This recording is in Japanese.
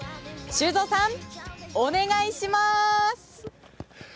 修造さん、お願いします！